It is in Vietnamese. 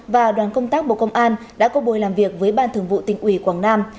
và đoàn công tác bộ công an đã có buổi làm việc với ban thường vụ tỉnh ủy quảng nam